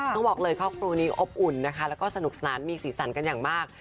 ต้องบอกเลยครอบครัวนี้อบอุ่นนะคะแล้วก็สนุกสนานมีสีสันกันอย่างมาก